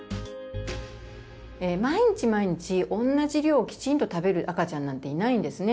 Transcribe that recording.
毎日毎日同じ量をきちんと食べる赤ちゃんなんていないんですね。